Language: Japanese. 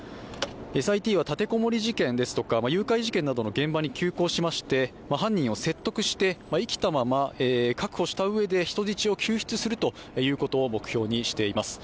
ＳＩＴは立て籠もり事件や、誘拐事件の現場に急行しまして、犯人を説得して生きたまま確保したうえで人質を救出することを目標にしています。